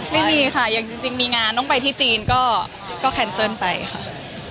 ไม่มีค่ะอย่างจริงมีงานต้องไปที่จีนก็แคนเซิลไปค่ะ